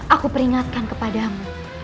aku peringatkan kepadamu